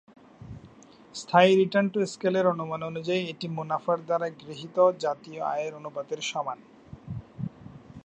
স্থায়ী return to স্কেলের অনুমান অনুযায়ী এটি মুনাফার দ্বারা গৃহীত জাতীয় আয়ের অনুপাতের সমান।